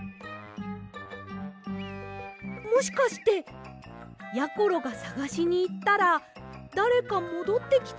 もしかしてやころがさがしにいったらだれかもどってきたりしませんよね？